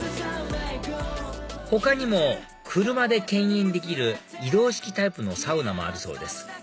他にも車でけん引できる移動式タイプのサウナもあるそうです